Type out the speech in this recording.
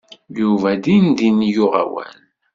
Yuba dindin yuɣ awal.